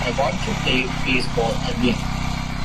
I want to play baseball again.